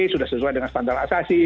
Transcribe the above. sudah sesuai dengan standar asasi